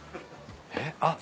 えっ？